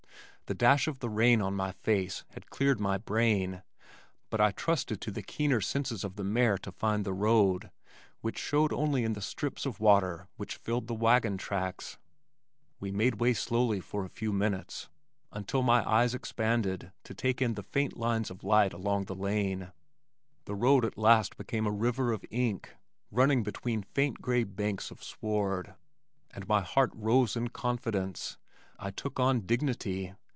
The dash of the rain in my face had cleared my brain but I trusted to the keener senses of the mare to find the road which showed only in the strips of water which filled the wagon tracks. We made way slowly for a few minutes until my eyes expanded to take in the faint lines of light along the lane. The road at last became a river of ink running between faint gray banks of sward, and my heart rose in confidence. I took on dignity.